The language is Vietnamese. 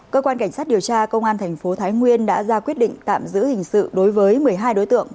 cơ quan cảnh sát điều tra công an thành phố thái nguyên đã ra quyết định tạm giữ hình sự đối với một mươi hai đối tượng